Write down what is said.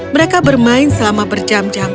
mereka bermain selama berjam jam